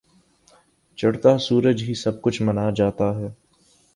چڑھتا سورج ہی سب کچھ مانا جاتا ہے۔